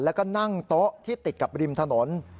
แล้วก็นั่งโต๊ะที่ติดกับริมถนน